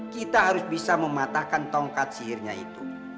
kita harus bisa mematahkan tongkat sihirnya itu